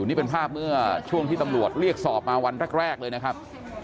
นี่เป็นภาพเมื่อช่วงที่ตำรวจเรียกสอบมาวันแรกเลยนะครับ